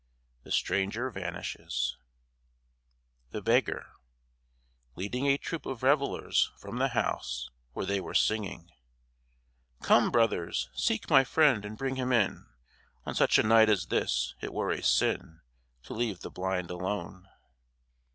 (The stranger vanishes) THE BEGGAR (Leading a troop of revellers from the house where they were singing) Come, brothers, seek my friend and bring him in. On such a night as this it were a sin To leave the blind alone.